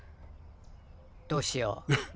どうしよ？